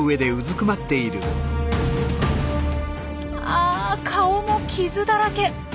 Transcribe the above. あ顔も傷だらけ。